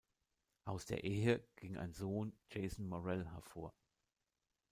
Aus der Ehe ging ein Sohn Jason Morell hervor.